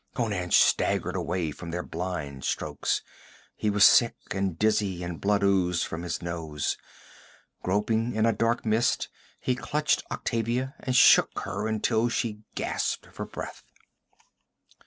Conan staggered away from their blind strokes. He was sick and dizzy, and blood oozed from his nose. Groping in a dark mist he clutched Octavia and shook her until she gasped for breath.